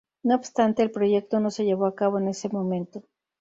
No obstante, el proyecto no se llevó a cabo en ese momento.